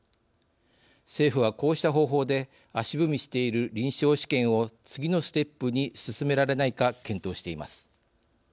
政府は、こうした方法で足踏みしている臨床試験を次のステップに進められないか検討しています。